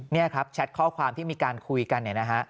นี่ครับแชทข้อความที่มีการคุยกันเนี่ยนะฮะ